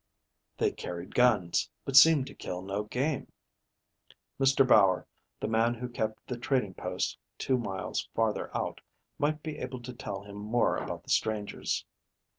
They carried guns, but seemed to kill no game." Mr. Bower, the man who kept the trading post two miles farther out, might be able to tell him more about the strangers.